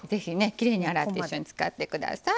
きれいに洗って一緒に使ってください。